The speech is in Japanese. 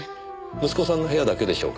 息子さんの部屋だけでしょうか？